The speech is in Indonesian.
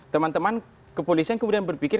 teman teman kepolisian kemudian berpikir